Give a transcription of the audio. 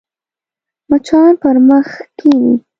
مچان پر مخ کښېني